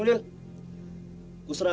maafkan dia lagi